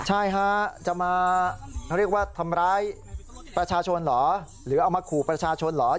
ใช่ค่ะจะมาทำร้ายประชาชนหรือเอามาขู่ประชาชนหรือ